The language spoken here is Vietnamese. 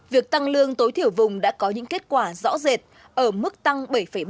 việc tăng lương tối thiểu vùng đã có những kết quả rõ rệt ở mức tăng bảy ba